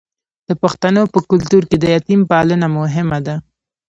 د پښتنو په کلتور کې د یتیم پالنه مهمه ده.